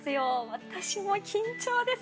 私も緊張です。